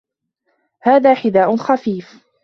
هذا حذاء خفيف.